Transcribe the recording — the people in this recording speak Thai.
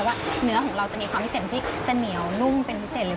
เพราะว่าเนื้อของเราจะมีความพิเศษที่จะเหนียวนุ่มเป็นพิเศษเลย